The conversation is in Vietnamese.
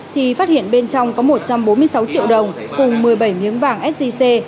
thì phát hiện bên trong có một trăm bốn mươi sáu triệu đồng cùng một mươi bảy miếng vàng sgc